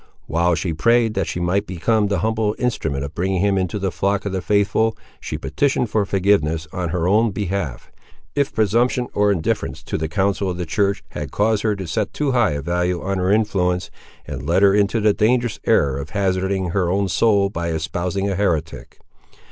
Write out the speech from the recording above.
While she prayed that she might become the humble instrument of bringing him into the flock of the faithful, she petitioned for forgiveness, on her own behalf, if presumption or indifference to the counsel of the church had caused her to set too high a value on her influence, and led her into the dangerous error of hazarding her own soul by espousing a heretic.